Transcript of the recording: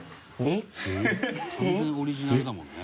「完全オリジナルだもんね」